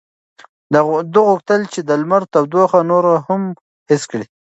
ده غوښتل چې د لمر تودوخه نوره هم حس کړي.